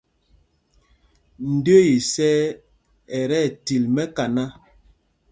Ndəə isɛɛ ɛ tí ɛtil mɛkaná.